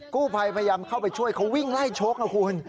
กู้ภัยพยายามเข้าไปช่วยเขาวิ่งไล่ชกนะคุณ